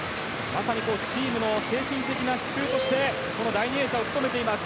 チームの精神的な支柱として第２泳者を務めています。